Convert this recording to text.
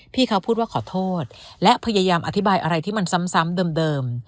พี่เขาพูดว่าขอโทษและพยายามอธิบายอะไรที่มันซ้ำเดิม